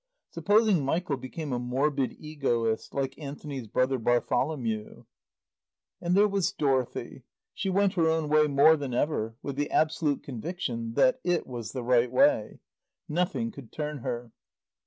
Supposing Michael became a morbid egoist, like Anthony's brother, Bartholomew? And there was Dorothy. She went her own way more than ever, with the absolute conviction that it was the right way. Nothing could turn her.